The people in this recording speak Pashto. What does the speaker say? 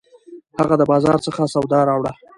هغه د بازار څخه سودا راوړه